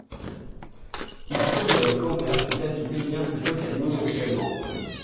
Il semblerait qu'Anvers fut habité bien plus tôt qu'admis actuellement.